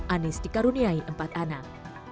anis dikaruniai empat anak